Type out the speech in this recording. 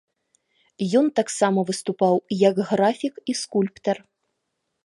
Ён таксама выступаў, як графік і скульптар.